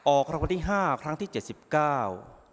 ออกคำวัติห้าครั้งที่เจ็ดสิบเก้า